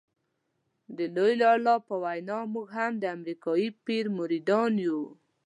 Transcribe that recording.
د لوی لالا په وینا موږ هم د امریکایي پیر مریدان یو.